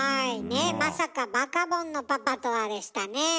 ねっまさかバカボンのパパとはでしたね。